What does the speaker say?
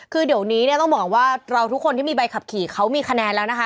คือเดี๋ยวนี้เนี่ยต้องบอกว่าเราทุกคนที่มีใบขับขี่เขามีคะแนนแล้วนะคะ